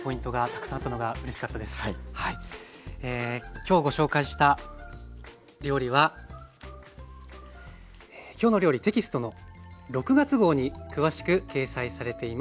今日ご紹介した料理は「きょうの料理」テキストの６月号に詳しく掲載されています。